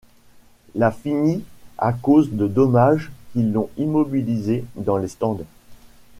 La finit à cause de dommages qui l'ont immobilisée dans les stands.